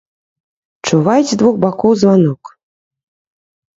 Чуваць з двух бакоў званок.